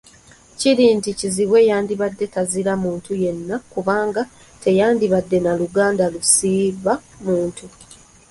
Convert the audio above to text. Kiri nti kizibwe yandibadde tazira muntu yenna, kubanga teyandibadde na luganda lusiba muntu.